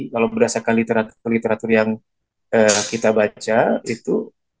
kalau berdasarkan literatur yang kita baca itu